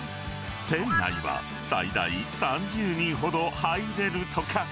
店内は最大３０人ほど入れるとか。